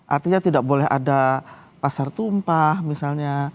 artinya tidak boleh ada pasar tumpah misalnya